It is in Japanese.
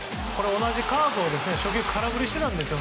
同じカーブを初球、空振りしてたんですよ。